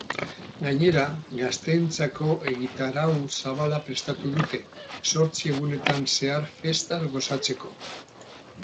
Gainera, gazteentzako egitarau zabala prestatu dute, zortzi egunetan zehar festaz gozatzeko.